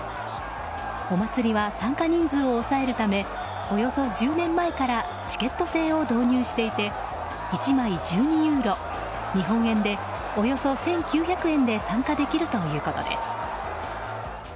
お祭りは、参加人数を抑えるためおよそ１０年前からチケット制を導入していて１枚１２ユーロ日本円でおよそ１９００円で参加できるということです。